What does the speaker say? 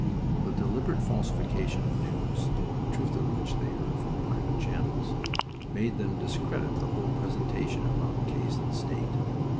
The deliberate falsification of news (the truth of which they heard from private channels) made them discredit the whole presentation of our case and state.